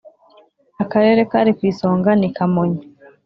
Akarere kari ku isonga ni Kamonyi